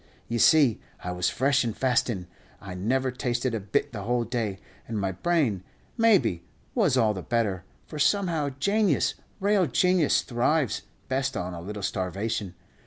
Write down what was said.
Ye see I was fresh and fastin'; I never tasted a bit the whole day, and my brain, maybe, was all the better; for somehow janius, real janius, thrives best on a little starvation.